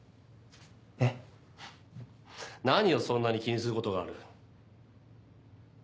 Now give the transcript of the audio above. えっ⁉何をそんなに気にすることがある？